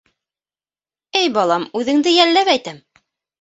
Эй, балам, үҙеңде йәлләп әйтәм.